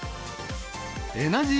エナジー